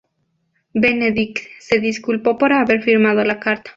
Benedikt se disculpó por haber firmado la carta.